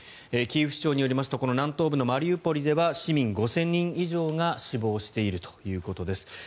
キーウ市長によりますと南東部のマリウポリでは市民５０００人以上が死亡しているということです。